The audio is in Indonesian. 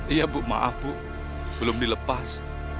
iya bu maaf bu belum dilepas